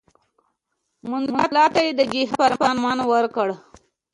مولنا ته یې د جهاد فرمان ورکړ.